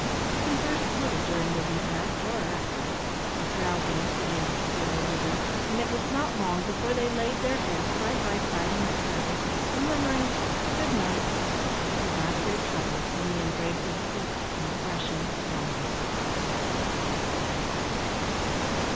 They conversed little during the repast or after it, for drowsiness began to steal over them, and it was not long before they laid their heads, side by side, on their saddles, and murmuring "Good night," forgot their troubles in the embrace of deep, refreshing slumber.